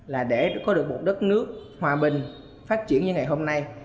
là để có được một đất nước hòa bình phát triển như ngày hôm nay